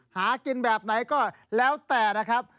หากินแบบไหนก็แล้วแต่นะครับ